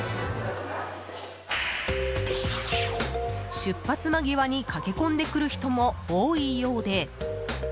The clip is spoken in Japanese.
出発間際に駆け込んでくる人も多いようで。